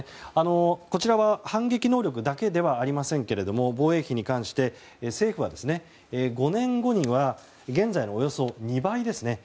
こちらは反撃能力だけではありませんが防衛費に関して政府は、５年後には現在のおよそ２倍ですね。